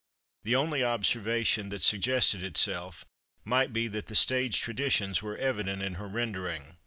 The only observation that suggested itself might be that the stage traditions were evident in her rendering.